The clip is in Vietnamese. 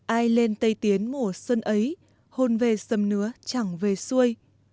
ai lên tây tiến mùa xuân ấy hôn về sầm nứa chẳng về xuôi